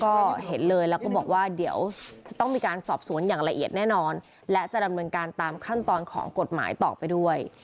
ก็เห็นเลยแล้วก็บอกว่าเดี๋ยวจะต้องมีการสอบสวนอย่างละเอียดแน่นอนและจะดำเนินการตามขั้นตอนของกฎหมายต่อไปด้วย